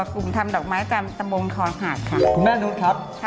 กลุ่มทำดอกไม้ตามตะบงคอหาดค่ะคุณแม่นุษย์ครับ